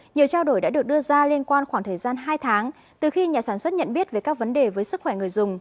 nhiều trao đổi đã được đưa ra liên quan khoảng thời gian hai tháng từ khi nhà sản xuất nhận biết về các vấn đề với sức khỏe người dùng